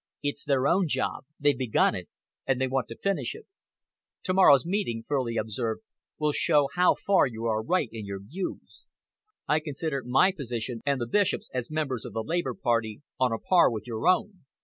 It's their own job. They've begun it, and they want to finish it." "To morrow's meeting," Furley observed, "will show how far you are right in your views. I consider my position, and the Bishop's, as members of the Labour Party, on a par with your own.